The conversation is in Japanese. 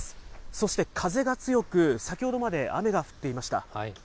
そして風が強く、先ほどまで雨が降っていました。